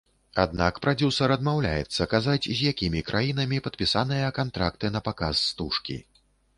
Аднак прадзюсар адмаўляецца казаць, з якімі краінамі падпісаныя кантракты на паказ стужкі.